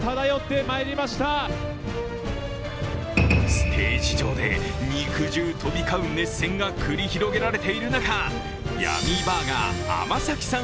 ステージ上で肉汁飛び交う熱戦が繰り広げられている中、ＹＵＭＭＹＢＵＲＧＥＲ尼崎さん